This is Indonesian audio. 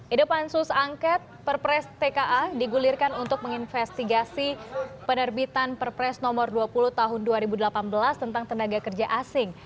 ide pansus angket perpres tka digulirkan untuk menginvestigasi penerbitan perpres nomor dua puluh tahun dua ribu delapan belas tentang tenaga kerja asing